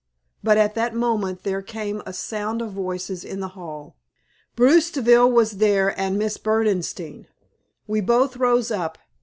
But at that moment there came a sound of voices in the hall. Bruce Deville was there and Miss Berdenstein. We both rose up.